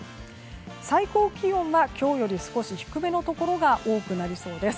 最高気温は今日より少し低めのところが多くなりそうです。